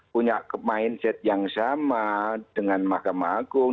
punya mindset yang sama dengan mahkamah agung